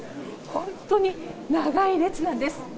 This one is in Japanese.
本当に長い列なんです。